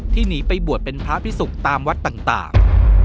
หนีไปบวชเป็นพระพิสุกตามวัดต่าง